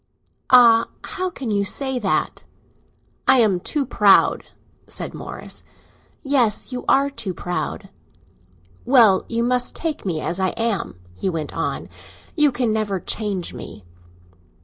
"Ah, how can you say that?" "I am too proud," said Morris. "Yes—you are too proud!" "Well, you must take me as I am," he went on, "you can never change me."